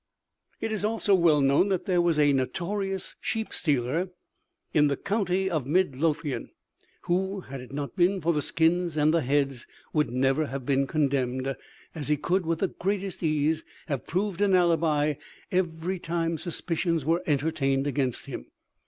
"It is also well known that there was a notorious sheep stealer in the county of Mid Lothian, who, had it not been for the skins and the heads, would never have been condemned, as he could, with the greatest ease, have proved an alibi every time suspicions were entertained against him.